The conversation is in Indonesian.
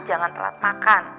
jangan telat makan